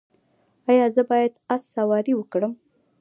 ایا زه باید اس سواري وکړم؟